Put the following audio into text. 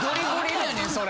なんやねんそれ。